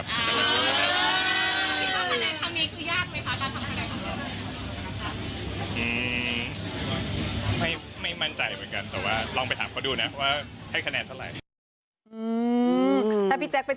พี่แจ๊คถามมาว่าให้คะแนนน้องเธอเท่าไร